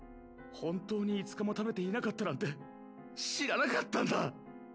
本当に５日も食べていなかったなんて知らなかったんだァーッ！！